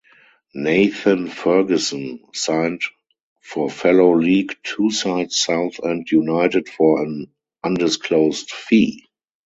Nathan Ferguson signed for fellow League Two side Southend United for an undisclosed fee.